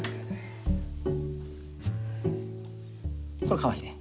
これかわいいね。